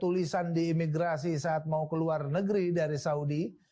tulisan di imigrasi saat mau keluar negeri dari saudi